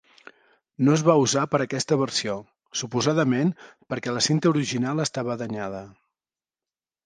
No es va usar per aquesta versió, suposadament perquè la cinta original estava danyada.